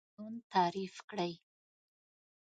قانون تعریف کړئ.